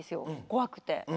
怖くて。